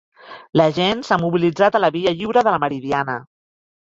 La gent s'ha mobilitzat a la Via Lliure de la Meridiana